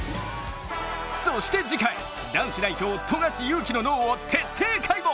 そして、次回男子代表・富樫勇樹の脳を徹底解剖！